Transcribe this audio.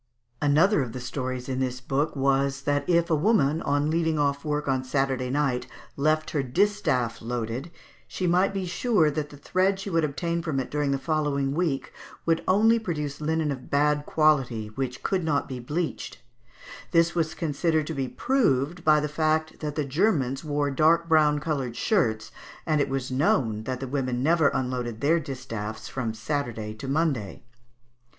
Another of the stories in this book was, that if a woman, on leaving off work on Saturday night, left her distaff loaded, she might be sure that the thread she would obtain from it during the following week would only produce linen of bad quality, which could not be bleached; this was considered to be proved by the fact that the Germans wore dark brown coloured shirts, and it was known that the women never unloaded their distaffs from Saturday to Monday.